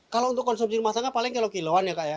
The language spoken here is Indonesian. kalau untuk konsumsi rumah tangga paling kalau kiloan ya kak ya